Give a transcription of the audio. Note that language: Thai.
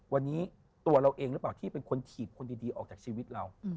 วันนี้ตัวเราเองหรือเปล่าที่เป็นคนถีบคนดีออกจากชีวิตเรา